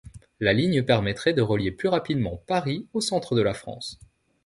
La ligne permettrait de relier plus rapidement Paris au centre de la France.